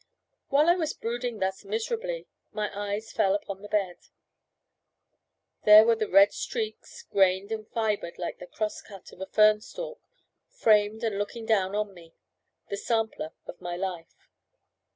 While I was brooding thus miserably, my eyes fell upon the bed. There were the red streaks, grained and fibred like the cross cut of a fern stalk; framed and looking down on me, the sampler of my life.